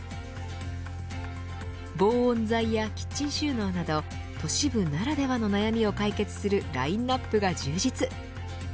防音材やキッチン収納など都市部ならではの悩みを解決するラインアップが充実。